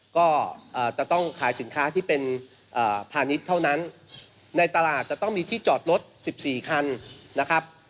ก็จะต้องขายสินค้าที่เป็นพาณิชย์เท่านั้นในตลาดจะต้องมีที่จอดรถ๑๔คันนะครับ